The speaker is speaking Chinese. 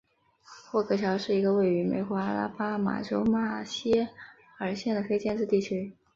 霍格乔是一个位于美国阿拉巴马州马歇尔县的非建制地区。